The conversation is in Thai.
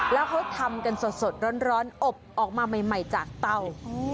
แล้วเขาทำกันสดร้อนอบออกมาใหม่จากเตา